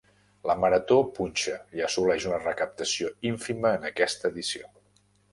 La Marató punxa i assoleix una recaptació ínfima en aquesta edició